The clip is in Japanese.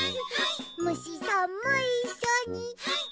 「むしさんもいっしょにハイ！